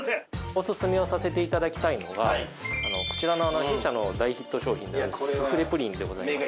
オススメをさせていただきたいのがこちらの弊社の大ヒット商品であるスフレ・プリンでございます。